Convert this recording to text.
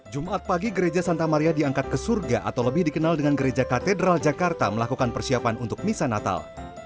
jumat pagi gereja santa maria diangkat ke surga atau lebih dikenal dengan gereja katedral jakarta melakukan persiapan untuk misa natal